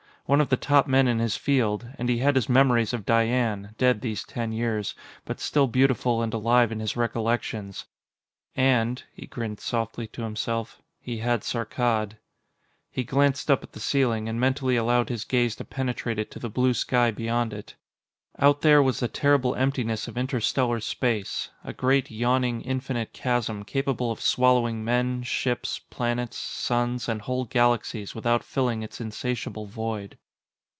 One of the top men in his field. And he had his memories of Diane, dead these ten years, but still beautiful and alive in his recollections. And he grinned softly to himself he had Saarkkad. He glanced up at the ceiling, and mentally allowed his gaze to penetrate it to the blue sky beyond it. Out there was the terrible emptiness of interstellar space a great, yawning, infinite chasm capable of swallowing men, ships, planets, suns, and whole galaxies without filling its insatiable void.